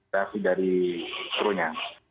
reaksi dari crew nya